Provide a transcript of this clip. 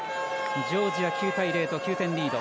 ジョージア、９対０と９点リード。